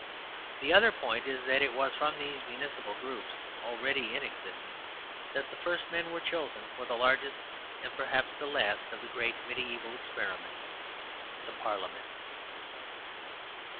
The other point is that it was from these municipal groups already in existence that the first men were chosen for the largest and perhaps the last of the great mediæval experiments: the Parliament.